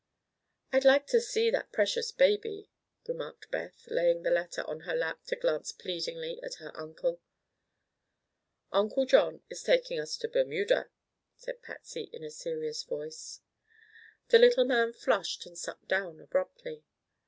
"I'd like to see that precious baby," remarked Beth, laying the letter on her lap to glance pleadingly at her uncle. "Uncle John is going to take us to Bermuda," said Patsy in a serious voice. The little man flushed and sat down abruptly.